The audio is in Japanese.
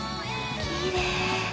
きれい。